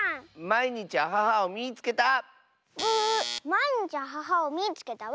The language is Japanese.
「まいにちアハハをみいつけた！」